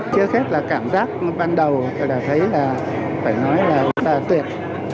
chưa hết là cảm giác ban đầu tôi đã thấy là phải nói là tuyệt